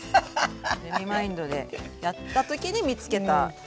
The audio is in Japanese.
レミマインドでやった時に見つけたことです